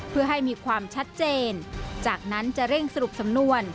เพื่อให้มีความชัดเจนจากนั้นจะเร่งสรุปสำนวน